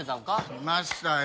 しましたよ！